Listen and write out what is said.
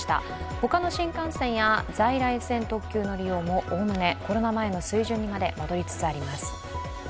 ほかの新幹線や在来線特急の利用もおおむねコロナ前の水準にまで戻りつつあります。